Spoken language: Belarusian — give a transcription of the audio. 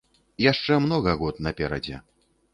Яшчэ многа год наперадзе.